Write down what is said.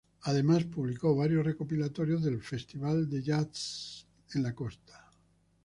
Además, publicó varios recopilatorios del Festival Jazz en la Costa.